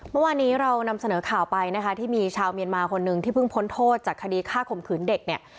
เมื่อวานนี้เรานำเสนอข่าวไปนะคะที่มีชาวเมียนมาคนหนึ่งที่เพิ่งพ้นโทษจากคดีฆ่าข่มขืนเด็กเนี่ย